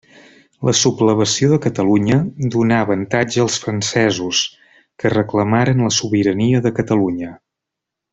La Sublevació de Catalunya, donà avantatge als francesos, que reclamaren la sobirania de Catalunya.